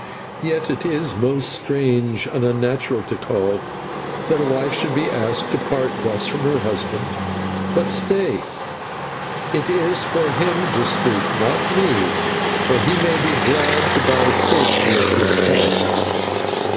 "Yet it is most strange and unnatural, Tikal, that a wife should be asked to part thus from her husband. But stay it is for him to speak, not me, for he may be glad to buy safety at this cost.